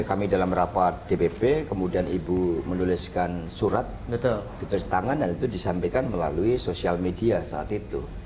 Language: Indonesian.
kami dalam rapat dpp kemudian ibu menuliskan surat ditulis tangan dan itu disampaikan melalui sosial media saat itu